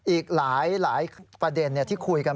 อีกหลายประเด็นที่คุยกัน